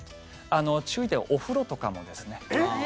注意点お風呂とかもですね。